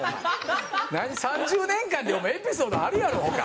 何３０年間でお前エピソードあるやろ他。